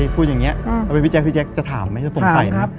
พี่แจ๊คจะถามไหมจะสงสัยไหม